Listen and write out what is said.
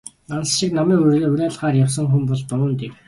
Нансал шиг намын уриалгаар явсан хүн бол дуун дээр...